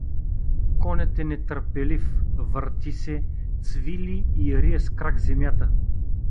Конят е нетърпелив, върти се, цвили и рие с крак земята.